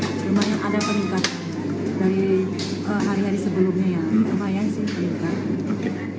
lumayan ada peningkatan dari hari hari sebelumnya ya lumayan sih peningkat